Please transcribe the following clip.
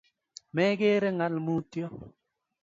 Megeere ngaal mutyo